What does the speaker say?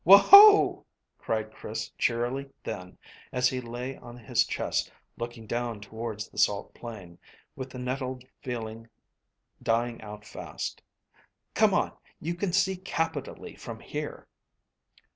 "Wo ho!" cried Chris cheerily then, as he lay on his chest looking down towards the salt plain, with the nettled feeling dying out fast. "Come on; you can see capitally from here."